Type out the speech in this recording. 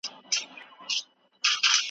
په دغه توره کوټه کې هېڅکله لمر نه لگېږي.